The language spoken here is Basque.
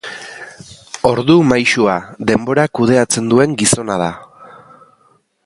Ordu maisua: Denbora kudeatzen duen gizona da.